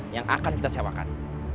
yang akan kita sewakan